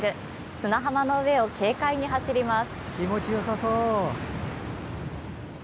砂浜の上を軽快に走ります。